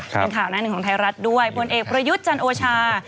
เป็นข่าวหน้าหนึ่งของไทยรัฐด้วยผลเอกประยุทธ์จันโอชา